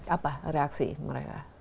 apa reaksi mereka